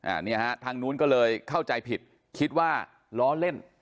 อันนี้ฮะทางนู้นก็เลยเข้าใจผิดคิดว่าล้อเล่น